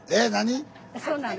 そうなの。